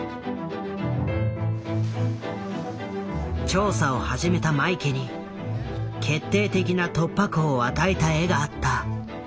調査を始めたマイケに決定的な突破口を与えた絵があった。